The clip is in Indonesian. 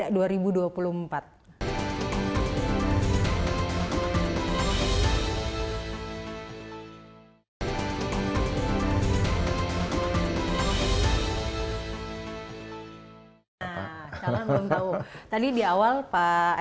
nah sekarang belum tahu tadi di awal pak